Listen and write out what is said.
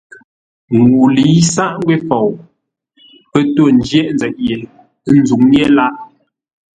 Ŋuu lə̌i sâʼ ngwě fou, pə́ tô ńjə̂ghʼ nzeʼ ye, ə́ nzǔŋ yé lâʼ.